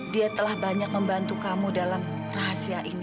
dia telah banyak membantu kamu dalam rahasia ini